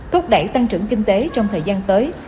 thúc đẩy tăng trưởng kinh tế trong thời gian tới